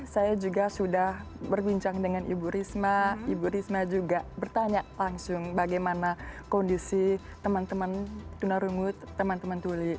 saya juga sudah berbincang dengan ibu risma ibu risma juga bertanya langsung bagaimana kondisi teman teman tunarungut teman teman tuli